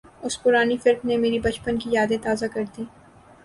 اُس پرانی فلم نے میری بچپن کی یادیں تازہ کردیں